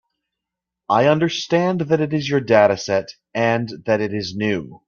I understand that it is your dataset, and that it is new.